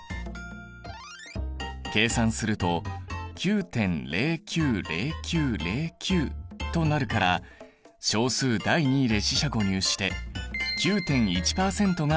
計算すると９．０９０９０９となるから小数第２位で四捨五入して９．１％が正解なんだ。